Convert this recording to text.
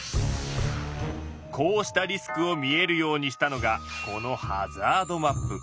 こうしたリスクを見えるようにしたのがこの「ハザードマップ」。